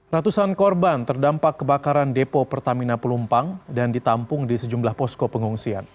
ratusan korban terdampak kebakaran depo pertamina pelumpang dan ditampung di sejumlah posko pengungsian